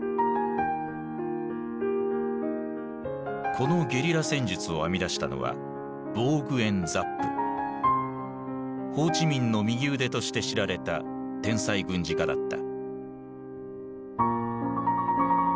このゲリラ戦術を編み出したのはホー・チ・ミンの右腕として知られた天才軍事家だった。